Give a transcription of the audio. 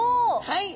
はい！